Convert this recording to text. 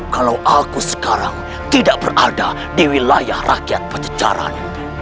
kalau aku sekarang tidak berada di wilayah rakyat pacecaran